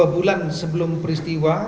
dua bulan sebelum peristiwa